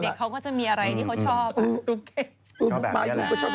เขาก็จะมีอะไรที่เขาชอบ